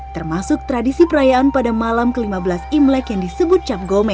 termasuk tradisi perayaan pada malam ke lima belas imlek yang disebut cap gome